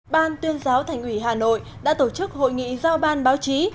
ban tuyên giáo thành ủy hà nội đã tổ chức hội nghị giao ban báo chí